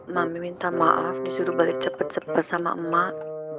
mami minta maaf disuruh balik cepet cepet sama emak